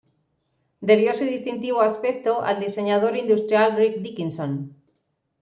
Debió su distintivo aspecto al diseñador industrial Rick Dickinson.